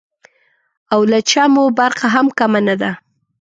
او له چا مو برخه هم کمه نه ده.